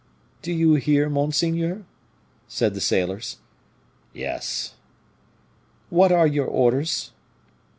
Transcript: "Do you hear, monseigneur?" said the sailors. "Yes." "What are your orders?"